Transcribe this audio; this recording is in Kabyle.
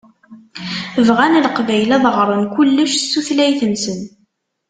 Bɣan Leqbayel ad ɣṛen kullec s tutlayt-nsen.